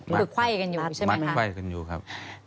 คือไขว้กันอยู่ใช่ไหมมันไขว้กันอยู่ครับ